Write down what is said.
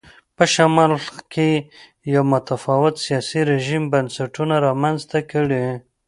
په شمال کې یو متفاوت سیاسي رژیم بنسټونه رامنځته کړي.